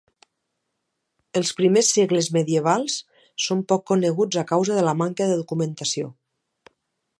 Els primers segles medievals són poc coneguts a causa de la manca de documentació.